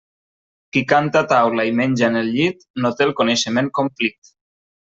Qui canta a taula i menja en el llit no té el coneixement complit.